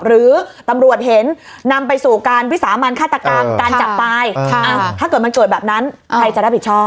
หรือตำรวจเห็นนำไปสู่การวิสามันฆาตกรรมการจับตายถ้าเกิดมันเกิดแบบนั้นใครจะรับผิดชอบ